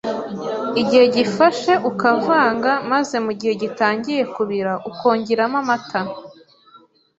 igihe gifashe, ukavanga, maze mu gihe gitangiye kubira, ukongeramo amata.